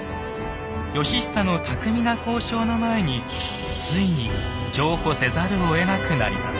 義久の巧みな交渉の前についに譲歩せざるをえなくなります。